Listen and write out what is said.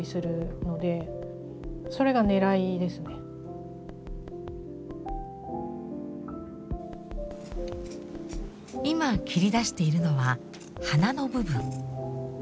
形が今切り出しているのは鼻の部分。